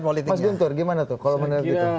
mas guntur gimana tuh